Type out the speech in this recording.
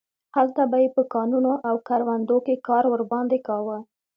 هلته به یې په کانونو او کروندو کې کار ورباندې کاوه.